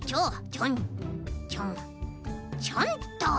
ちょんちょんちょんと。